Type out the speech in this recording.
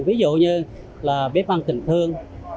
ví dụ như là bếp ăn tình thương